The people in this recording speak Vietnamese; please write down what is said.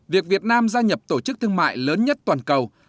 việc việt nam gia nhập tổ chức thương mại lớn nhất toàn cầu